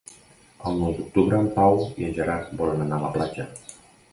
El nou d'octubre en Pau i en Gerard volen anar a la platja.